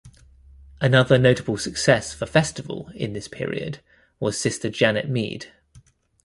Another notable success for Festival in this period was Sister Janet Mead.